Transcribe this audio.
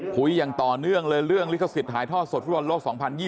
คุยอย่างต่อเนื่องเลยเรื่องลิขสิทธิ์ถ่ายทอดสดฟุตบอลโลก๒๐๒๐